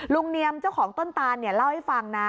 เนียมเจ้าของต้นตานเนี่ยเล่าให้ฟังนะ